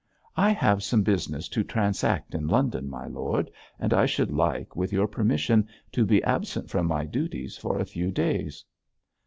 'I have some business to transact in London, my lord; and I should like, with your permission, to be absent from my duties for a few days.'